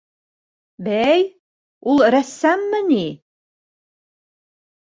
Бәй, ул рәссаммы ни?